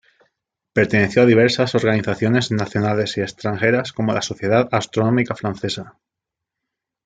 Perteneció a diversas organizaciones nacionales y extranjeras como la Sociedad astronómica francesa.